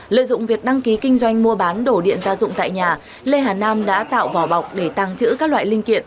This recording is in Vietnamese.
lợi dụng việc đăng ký kinh doanh mua bán đổ điện gia dụng tại nhà lê hà nam đã tạo vỏ bọc để tàng trữ các loại linh kiện